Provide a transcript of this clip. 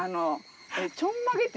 ちょんまげって。